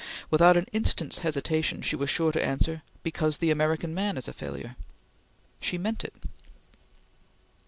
Without an instant's hesitation, she was sure to answer: "Because the American man is a failure!" She meant it.